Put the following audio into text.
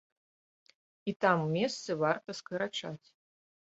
І там месцы варта скарачаць.